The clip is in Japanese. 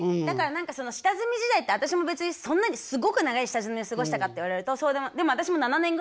だから何かその下積み時代って私も別にそんなにすごく長い下積みを過ごしたかって言われるとそうでもない。